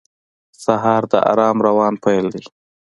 سهار د آرام روان پیل دی.